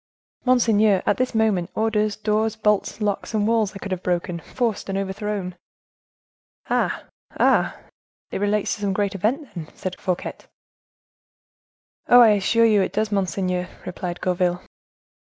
"Monseigneur, at this moment, orders, doors, bolts, locks, and walls I could have broken, forced and overthrown!" "Ah! ah! it relates to some great event, then?" asked Fouquet. "Oh! I assure you it does, monseigneur," replied Gourville.